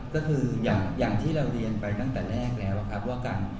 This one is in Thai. ก็คืออย่างที่เราเรียนไปตั้งแต่แรกแล้วครับว่าการ